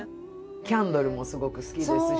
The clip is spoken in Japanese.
キャンドルもすごく好きですし。